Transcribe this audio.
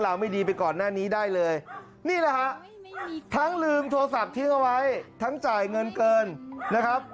เลขนี้น้ำดีมากนะ